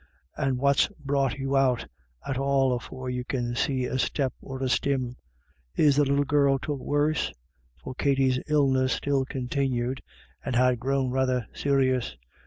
"And what's brought you out at all afore you can see a step or a stim ? Is the little girl took worse? " For Katty's illness still continued and had grown rather serious.